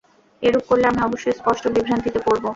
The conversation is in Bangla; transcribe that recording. এরূপ করলে আমি অবশ্যই-স্পষ্ট বিভ্রান্তিতে পড়ব।